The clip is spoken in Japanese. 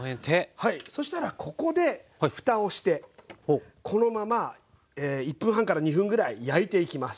そしたらここでふたをしてこのまま１分半から２分ぐらい焼いていきます。